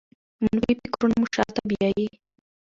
منفي فکرونه مو شاته بیايي.